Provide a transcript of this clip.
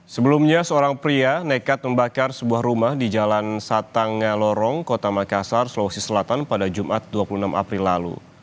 sebelumnya seorang pria nekat membakar sebuah rumah di jalan satang ngelorong kota makassar sulawesi selatan pada jumat dua puluh enam april lalu